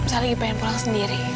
misalnya lagi pengen pulang sendiri